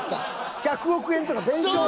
１００億円とか弁償。